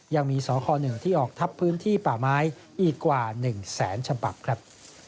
ยังมีสค๑ที่ออกทับพื้นที่ป่าไม้อีกกว่า๑แสนฉบับครับ